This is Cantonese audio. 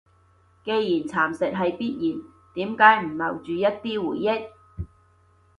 既然蠶蝕係必然，點解唔留住一啲回憶？